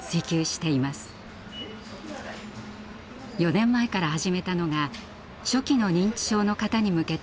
４年前から始めたのが初期の認知症の方に向けたケアです。